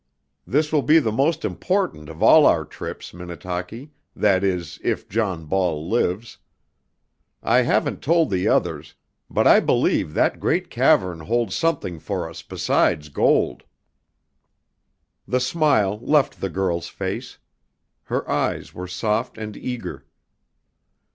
"This will be the most important of all our trips, Minnetaki, that is, if John Ball lives. I haven't told the others, but I believe that great cavern holds something for us besides gold!" The smile left the girl's face. Her eyes were soft and eager.